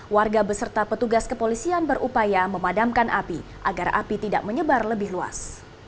warga beserta petugas kepolisian berupaya memadamkan api agar api tidak menyebar lebih luas